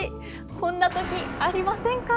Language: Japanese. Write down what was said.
こんなとき、ありませんか？